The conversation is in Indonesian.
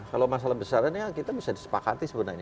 kalau masalah besarannya kita bisa disepakati sebenarnya